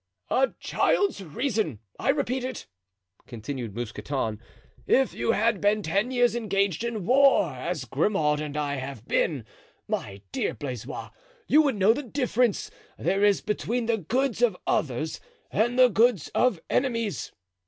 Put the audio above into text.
"A child's reason—I repeat it," continued Mousqueton. "If you had been ten years engaged in war, as Grimaud and I have been, my dear Blaisois, you would know the difference there is between the goods of others and the goods of enemies.